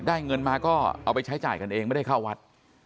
เงินมาก็เอาไปใช้จ่ายกันเองไม่ได้เข้าวัด